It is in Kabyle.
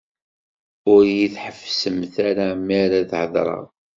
Ur yi-d-ḥebbsemt ara mi ara d-heddṛeɣ.